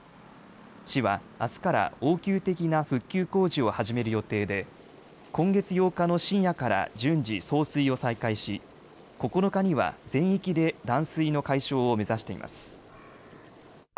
市はあすから応急的な復旧工事を始める予定で今月８日の深夜から順次送水を再開し９日には全域で断水の解消を目指しています。